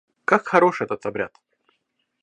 Как хорош этот обряд!